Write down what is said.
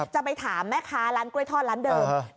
จะไปถามแม่ค้าร้านกล้วยทอดร้านเดิม